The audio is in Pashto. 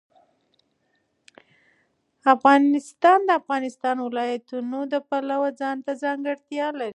افغانستان د د افغانستان ولايتونه د پلوه ځانته ځانګړتیا لري.